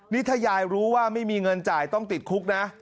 นี่ถ้ายายรู้ว่าไม่มีเงินจ่ายต้องติดคุกนะ